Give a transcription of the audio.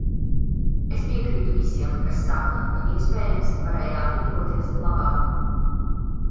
Es piekrītu visiem, kas saka, ka, iespējams, varējām rīkoties labāk.